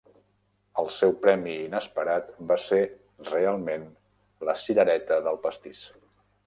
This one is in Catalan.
El seu premi inesperat va ser realment la cirereta del pastís